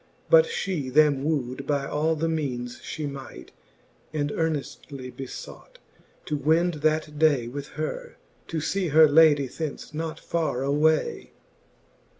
But fhe them woo'd by all the meanes fhe might, And earneftly befought, to wend that day With her, to lee her, ladie thence not farre away.